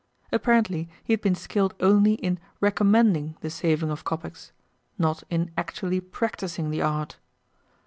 Apparently he had been skilled only in RECOMMENDING the saving of kopecks not in ACTUALLY PRACTISING the art.